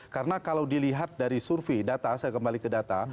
karena kalau dilihat dari survei data saya kembali ke data